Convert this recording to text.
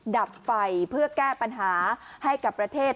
ดับไฟเพื่อแก้ปัญหาให้กับประเทศ